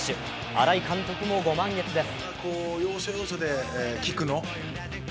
新井監督もご満悦です。